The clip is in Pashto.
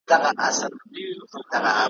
له غلامه تر باداره شرمنده یې د روزګار کې `